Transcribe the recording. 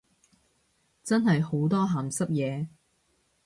真係好多鹹濕嘢